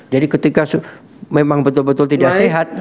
jadi ketika memang betul betul tidak sehat